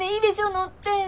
乗って。